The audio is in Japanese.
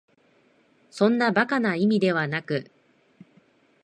そんな馬鹿な意味ではなく、